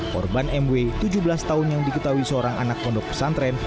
korban mw tujuh belas tahun yang diketahui seorang anak pondok pesantren